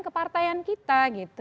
kepartaian kita gitu